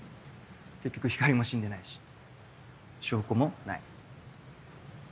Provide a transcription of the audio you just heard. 結局光莉も死んでないし証拠もない。